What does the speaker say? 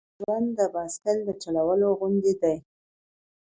ژوند د بایسکل د چلولو غوندې دی.